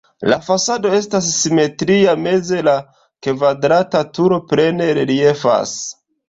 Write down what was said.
La fasado estas simetria, meze la kvadrata turo plene reliefas.